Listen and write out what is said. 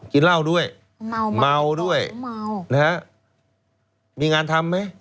กินเหล้าด้วยเมาด้วยมีงานทำไหม